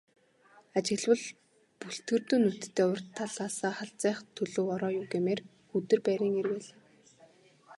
Ажиглавал бүлтгэрдүү нүдтэй урд талаасаа халзайх төлөв ороо юу гэмээр, хүдэр байрын эр байлаа.